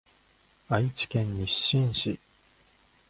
愛知県日進市